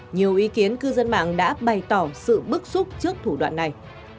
nhiều ý kiến cư dân mạng đã bày tỏ sự bức xúc trước thủ đoạn này